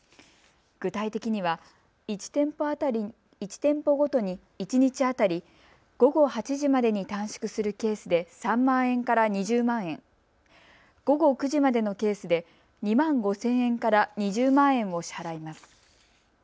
具体的には１店舗ごとに一日当たり午後８時までに短縮するケースで３万円から２０万円、午後９時までのケースで２万５０００円から２０万円を支払います。